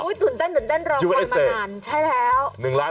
อุ๊ยตื่นเต้นรองวันมานาน